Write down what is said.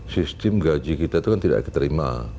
sistem gaji kita itu kan tidak diterima